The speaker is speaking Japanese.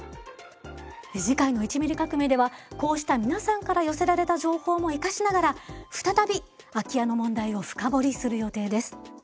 次回の「１ミリ革命」ではこうした皆さんから寄せられた情報も生かしながら再び空き家の問題を深掘りする予定です。